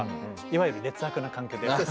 いわゆる劣悪な環境ですね。